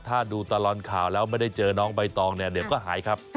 ทำไมล่ะเจอน้องใบตองก็ยิ่งจะดีไม่ใช่ล่ะครับ